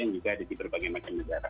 yang juga ada di berbagai macam negara